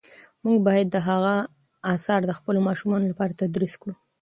موږ باید د هغه آثار د خپلو ماشومانو لپاره تدریس کړو.